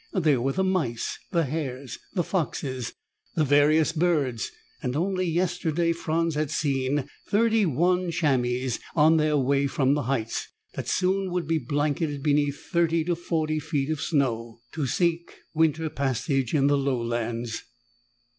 There were the mice, the hares, the foxes, the various birds, and only yesterday Franz had seen thirty one chamois on their way from the heights, that would soon be blanketed beneath thirty to forty feet of snow, to seek winter pasturage in the lowlands.